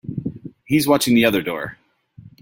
He's watching the other door.